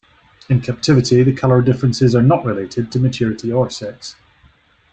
In captivity, the colour differences are not related to maturity or sex.